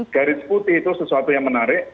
garis putih itu sesuatu yang menarik